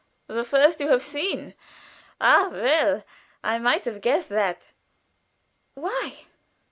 "The first you have seen? Ah, well, I might have guessed that." "Why?